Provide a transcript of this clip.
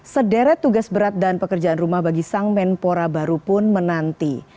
sederet tugas berat dan pekerjaan rumah bagi sang menpora baru pun menanti